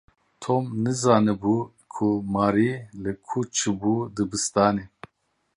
Tom nizanibû ku Mary li ku çûbû dibistanê.